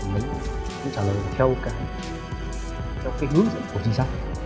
bạn đánh trả lời theo cái hướng dẫn của chính xác